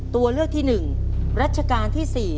ตัวเลือกที่๑รัชกาลที่๔